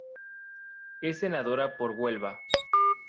Es Senadora por Huelva.